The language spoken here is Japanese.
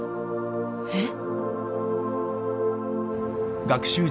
えっ？